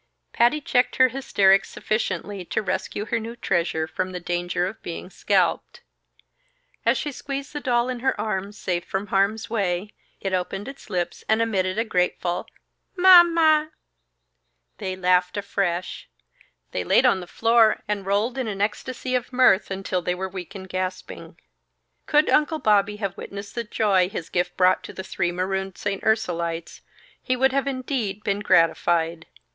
Patty checked her hysterics sufficiently to rescue her new treasure from the danger of being scalped. As she squeezed the doll in her arms, safe from harm's way, it opened its lips and emitted a grateful, "Ma ma!" They laughed afresh. They laid on the floor and rolled in an ecstasy of mirth until they were weak and gasping. Could Uncle Bobby have witnessed the joy his gift brought to three marooned St. Ursulites, he would have indeed been gratified.